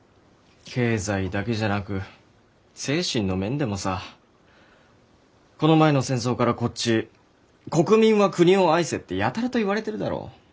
経済だけじゃなく精神の面でもさこの前の戦争からこっち「国民は国を愛せ」ってやたらと言われてるだろ？